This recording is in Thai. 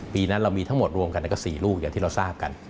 ปีนั้นเรามีทั้งหมดรวมกันก็๔ลูกอย่างที่เราทราบกัน